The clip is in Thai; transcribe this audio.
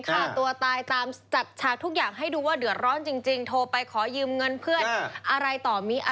ฆ่าตัวตายตามจัดฉากทุกอย่างให้ดูว่าเดือดร้อนจริงโทรไปขอยืมเงินเพื่อนอะไรต่อมี